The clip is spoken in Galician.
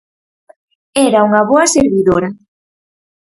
Era unha boa servidora!